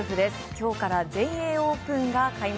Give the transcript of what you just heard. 今日から全英オープンが開幕。